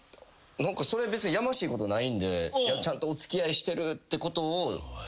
別にやましいことないんでちゃんとお付き合いしてるってことを。